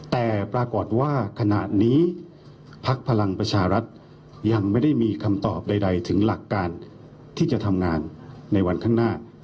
แต่ปรากฏว่าขณะนี้พักพลังประชารัฐยังไม่ได้มีคำตอบใดถึงหลักการที่จะทำงานในวันข้างหน้า